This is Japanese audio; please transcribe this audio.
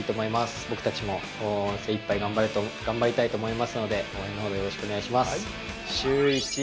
僕たちも精いっぱい頑張りたいと思いますので、応援のほど、よろしくお願いします。